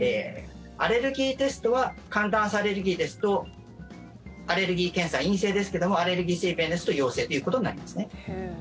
アレルギーテストは寒暖差アレルギーですとアレルギー検査、陰性ですけどもアレルギー性鼻炎ですと陽性ということになりますね。